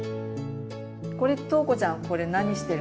これとうこちゃんこれ何してるの？